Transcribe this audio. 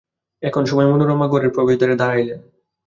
এমন সময়ে মনোরমা ঘরের প্রবেশদ্বারে দাঁড়াইলেন।